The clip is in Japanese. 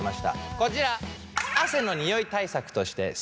こちら。